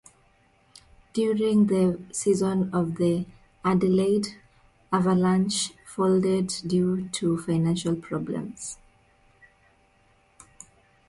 During the season the Adelaide Avalanche folded due to financial problems.